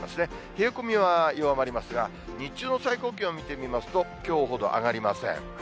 冷え込みは弱まりますが、日中の最高気温見てみますと、きょうほど上がりません。